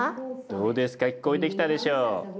どうですか聞こえてきたでしょう。